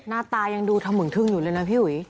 หน้าตายังดูถมึงทึ่งอยู่เลยนะพี่หุย